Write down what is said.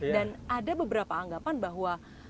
dan ada beberapa anggapan bahwa